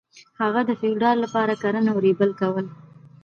هغه د فیوډال لپاره کرنه او ریبل کول.